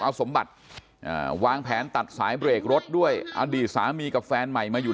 เอาสมบัติวางแผนตัดสายเบรกรถด้วยอดีตสามีกับแฟนใหม่มาอยู่